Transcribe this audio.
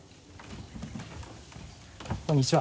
こんにちは。